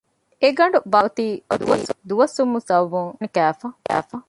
އެ ގަނޑުގެ ބާކީބައި އޮތީ ދުވަސްވުމުގެ ސަބަބުން ކަތުރުފަނި ކައިފަ